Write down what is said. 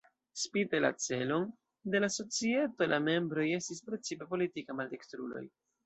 Spite la celon de la societo la membroj estis precipe politike maldekstruloj.